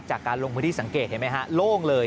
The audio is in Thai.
จากการลงพื้นที่สังเกตเห็นไหมฮะโล่งเลย